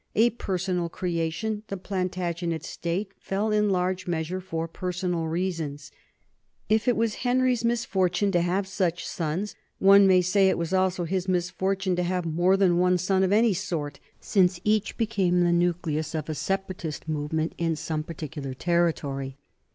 A per sonal creation, the Plantagenet state fell in large meas ure for personal reasons. If it was Henry's misfortune to have such sons, one may say it was also his misfortune to have more than one son of any sort, since each became the nucleus of a separatist movement in some particular territory.